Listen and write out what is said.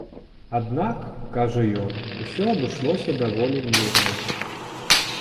Аднак, кажа ён, усё абышлося даволі мірна.